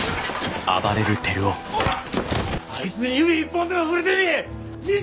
あいつに指一本でも触れてみい！